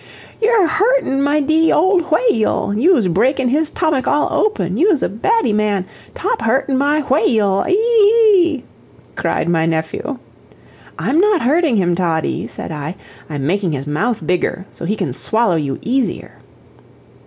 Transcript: "You're hurtin' my dee old whay al; you's brakin' his 'tomach all open you's a baddy man 'TOP hurtin' my whay al, ee ee ee," cried my nephew. "I'm not hurting him, Toddie," said I; "I'm making his mouth bigger, so he can swallow you easier."